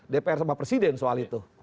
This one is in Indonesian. dpr sama presiden soal itu